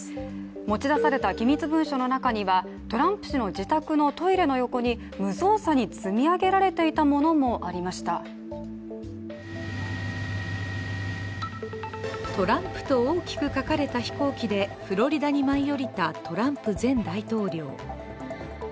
持ち出された機密文書の中にはトランプ氏の自宅のトイレの横に無造作に積み上げられていたものもありました「トランプ」と大きく書かれた飛行機でフロリダに舞い降りた、トランプ前大統領。